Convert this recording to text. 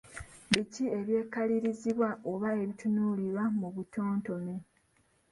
Biki ebyekalirizibwa oba ebitunuulirwa mu bitontome.